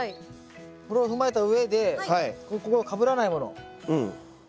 これを踏まえたうえでここがかぶらないもの。